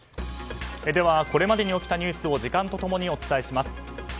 これまでに起きたニュースを時間と共にお伝えします。